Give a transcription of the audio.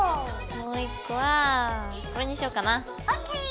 もう１個はこれにしようかな。ＯＫ！